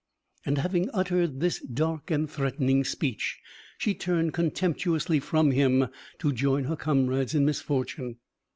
And having uttered this dark and threatening speech, she turned contemptuously from him, to join her comrades in misfortune.